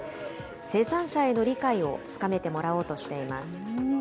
生産者への理解を深めてもらおうとしています。